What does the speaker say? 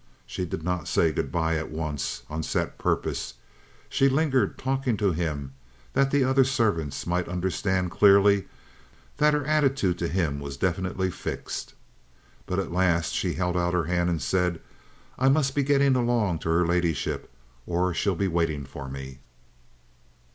She did not say good bye at once; of set purpose, she lingered talking to him that the other servants might understand clearly that her attitude to him was definitely fixed. But at last she held out her hand and said: "I must be getting along to her ladyship, or she'll be waiting for me."